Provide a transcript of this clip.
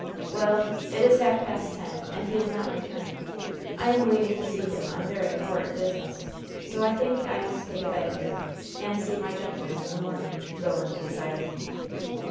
"Well, it is half past ten, and he has not returned. I am waiting to see him on very important business, so I think I must take a bed here, and see my gentleman in the morning," Roland decided.